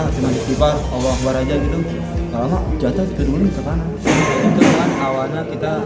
cuma dikipas obat obat aja gitu kalau jatuh ke dulu kemana awalnya kita